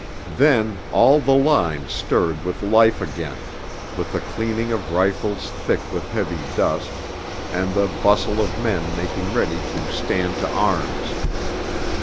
Then all the line stirred with life again, with the cleaning of rifles thick with heavy dust, and the bustle of men making ready to 'Stand to Arms.'